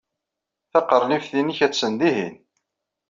Taqernift-nnek attan dihin.